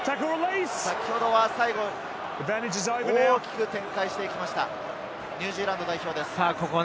大きく展開していきました、ニュージーランド代表です。